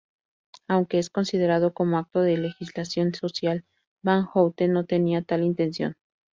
Aunque es considerado como acto de legislación social, Van Houten no tenía tal intención.